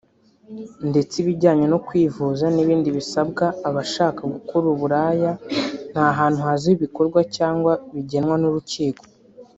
ndetse ibijyanye no kwivuza n’ibindi bisabwa abashaka gukora uburaya nta hantu hazwi bikorwa cyangwa bigenwa n’urukiko